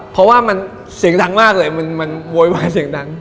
เพราะว่ามันเสียงดังมากเลยมันโวยวายเสียงดัง